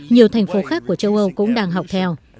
nhiều thành phố khác của châu âu cũng đang học theo